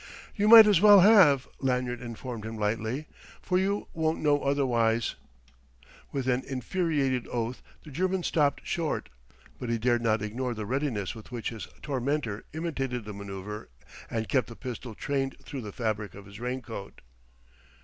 "You might as well have," Lanyard informed him lightly ... "For you won't know otherwise." With an infuriated oath the German stopped short: but he dared not ignore the readiness with which his tormentor imitated the manoeuvre and kept the pistol trained through the fabric of his raincoat.